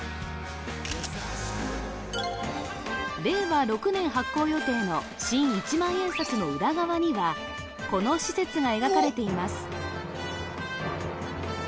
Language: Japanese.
令和６年発行予定の新一万円札の裏側にはこの施設が描かれています